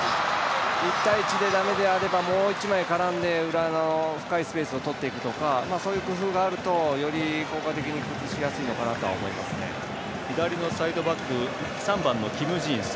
１対１でだめであればもう１枚絡んで裏の深いスペースをとっていくとかそういう工夫があるとより効果的に左のサイドバック３番のキム・ジンス。